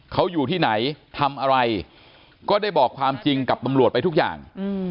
เขาอยู่ที่ไหนทำอะไรก็ได้บอกความจริงกับตำรวจไปทุกอย่าง